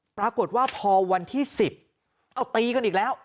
ปรากฏว่าพอวันที่๑๐เอาตีกันอีกแล้ว